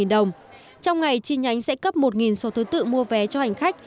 trong ngày chi nhánh sẽ cấp một số thứ tự mua vé cho hành khách